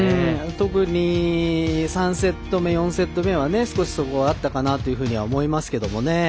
特に３セット目４セット目は少しそこがあったかなとは思いますけどね。